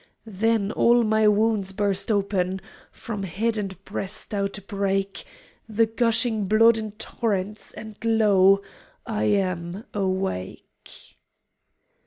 Then all my wounds burst open, From head and breast outbreak The gushing blood in torrents And lo, I am awake!